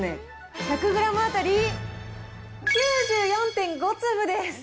１００グラム当たり９４．５粒です。